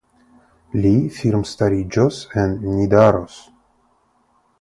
Li firmstariĝos en Nidaros.